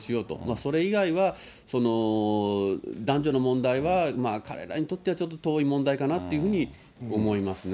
それ以外は、男女の問題は、彼らにとってはちょっと遠い問題かなというふうに思いますね。